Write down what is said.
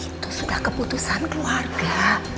itu sudah keputusan keluarga